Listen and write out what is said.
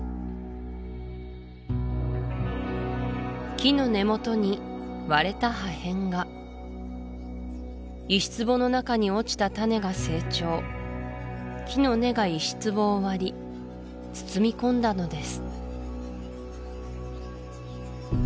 木の根元に割れた破片が石壺の中に落ちた種が成長木の根が石壺を割り包み込んだのです